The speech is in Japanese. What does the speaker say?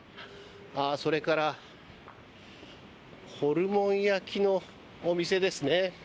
それからホルモン焼きのお店ですね。